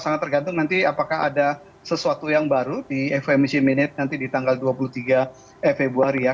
sangat tergantung nanti apakah ada sesuatu yang baru di fmc minute nanti di tanggal dua puluh tiga februari ya